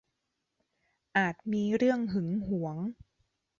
อาจมีเรื่องหึงหวง